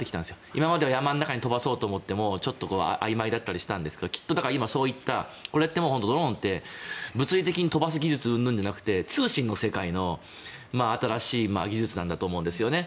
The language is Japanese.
今までは山の中で飛ばそうと思ってもあいまいだったりしたんですがこれってドローンって物理的に飛ばす技術うんぬんじゃなくて通信の世界の新しい技術だと思うんですよね。